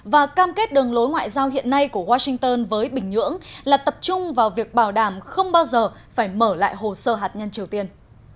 và cam kết đường lối ngoại giao hiện nay của washington với bình nhưỡng là tập trung vào việc bảo đảm không bao giờ phải mở lại hồ sơ hạt nhân triều tiên